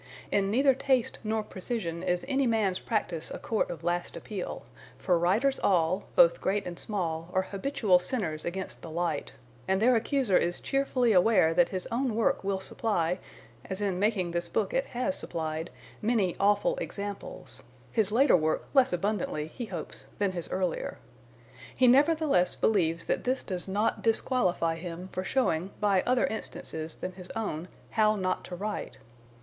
In neither taste nor precision is any man's practice a court of last appeal, for writers all, both great and small, are habitual sinners against the light; and their accuser is cheerfully aware that his own work will supply (as in making this book it has supplied) many "awful examples" his later work less abundantly, he hopes, than his earlier. He nevertheless believes that this does not disqualify him for showing by other instances than his own how not to write.